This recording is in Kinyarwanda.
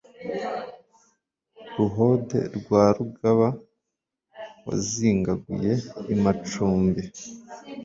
Ruhobe rwa Rugaba Wazingaguye i Macumbi